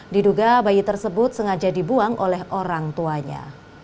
diduga bayi tersebut sengaja dibuang oleh orang tuanya